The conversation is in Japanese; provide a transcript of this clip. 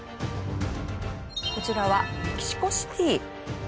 こちらはメキシコシティ。